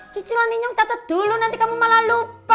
cicilan inyong catet dulu nanti kamu malah lupa